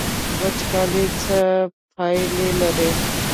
وچکالي څه پایلې لري؟